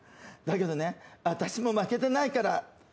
だけどね私も負けてないから。